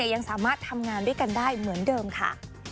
ยังสามารถทำงานด้วยกันได้เหมือนเดิมค่ะ